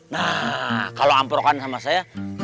nah kalau amprokan sama saya